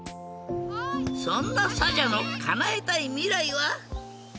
そんなサジャのかなえたいみらいは？